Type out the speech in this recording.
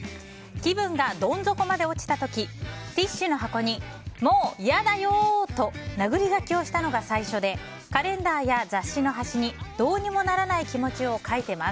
気分がどん底まで落ちた時ティッシュの箱にもう嫌だよ！と殴り書きをしたのが最初でカレンダーや雑誌の端にどうにもならない気持ちを書いています。